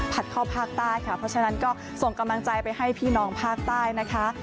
เข้าภาคใต้ค่ะเพราะฉะนั้นก็ส่งกำลังใจไปให้พี่น้องภาคใต้นะคะ